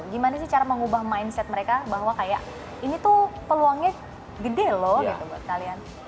gimana sih cara mengubah mindset mereka bahwa kayak ini tuh peluangnya gede loh gitu buat kalian